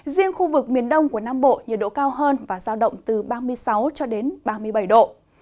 riêng khu vực miền đông của nam bộ nhiệt độ cao hơn và giao động từ ba mươi sáu cho đến ba mươi bảy độ